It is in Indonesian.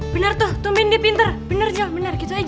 bener tuh tumben dia pinter bener jel bener gitu aja